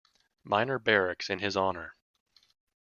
Miner Barracks in his honour.